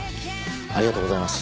ありがとうございます。